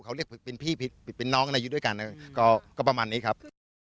เขาเรียกเป็นพี่ผิดเป็นน้องอะไรอยู่ด้วยกันก็ประมาณนี้ครับ